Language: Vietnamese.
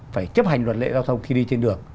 phải chấp hành luật lệ giao thông khi đi trên đường